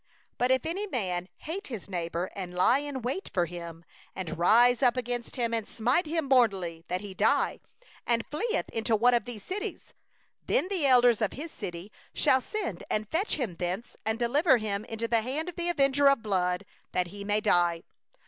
11But if any man hate his neighbour, and lie in wait for him, and rise up against him, and smite him mortally that he die; and he flee into one of these cities; 12then the elders of his city shall send and fetch him thence, and deliver him into the hand of the avenger of blood, that he may die.